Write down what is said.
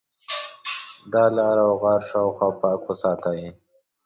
د ا لاره او غار شاوخوا پاک وساتئ.